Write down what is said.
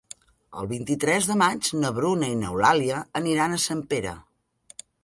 El vint-i-tres de maig na Bruna i n'Eulàlia aniran a Sempere.